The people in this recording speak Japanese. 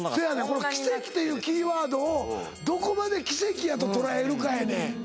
この奇跡っていうキーワードをどこまで奇跡やと捉えるかやねん。